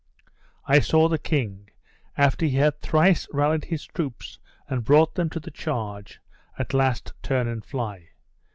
I saw the king, after he had thrice rallied his troops and brought them to the charge, at last turn and fly.